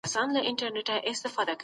په ناحقه د چا وینه مه تویئ.